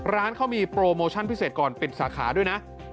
ร้านเขามีโปรโมชั่นพิเศษก่อนปิดสาขาด้วยนะ